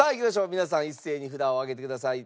皆さん一斉に札を上げてください。